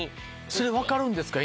それ分かるんですか？